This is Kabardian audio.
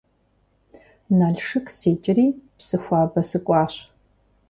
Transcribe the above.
Налшык сикӀри Псыхуабэ сыкӀуащ.